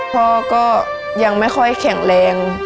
พ่อก็ยังไม่ค่อยแข็งแรง